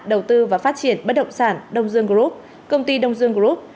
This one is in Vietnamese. đầu tư và phát triển bất động sản đông dương group công ty đông dương group